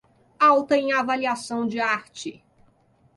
Alta em avaliação de arte